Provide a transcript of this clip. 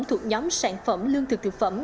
thuộc nhóm sản phẩm lương thực thực phẩm